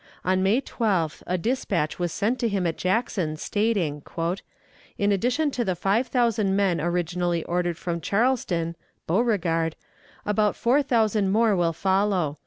On May 12th a dispatch was sent to him at Jackson, stating, "In addition to the five thousand men originally ordered from Charleston [Beauregard], about four thousand more will follow.